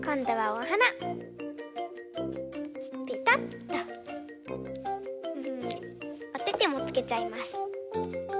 おててもつけちゃいます。